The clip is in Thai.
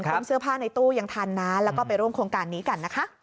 คนเสื้อผ้าในตู้ยังทันนะแล้วก็ไปร่วมโครงการนี้กันนะคะ